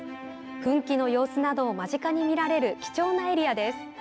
噴気の様子などを間近に見られる貴重なエリアです。